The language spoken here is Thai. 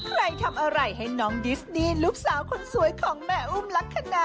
ใครทำอะไรให้น้องดิสนี่ลูกสาวคนสวยของแม่อุ้มลักษณะ